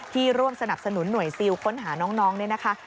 ร่วมสนับสนุนหน่วยซิลค้นหาน้องเนี่ยนะคะ